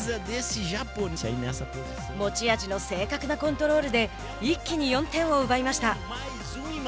持ち味の正確なコントロールで一気に４点を奪いました。